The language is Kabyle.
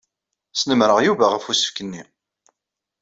Snemmreɣ Yuba ɣef usefk-nni.